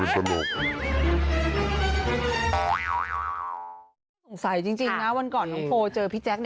สงสัยจริงนะวันก่อนน้องโฟเจอพี่แจ๊ค